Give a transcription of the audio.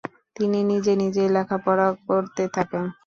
তিনি নিজে নিজেই লেখাপড়া করতে থাকেন।